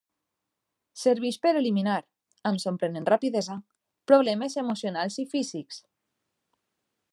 Serveix per eliminar, amb sorprenent rapidesa, problemes emocionals i físics.